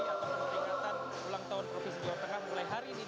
ataupun peringatan ulang tahun provinsi jawa tengah mulai hari ini